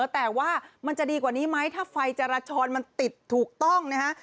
แต่ว่ามันจะดีกว่านี้ไหมถ้าไฟจราจรมันติดถูกต้องนะฮะ